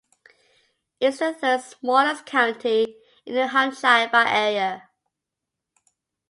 It is the third-smallest county in New Hampshire by area.